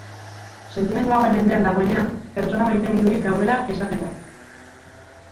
Sentimendu hauen mendean dagoenean, pertsona maitemindurik dagoela esaten da.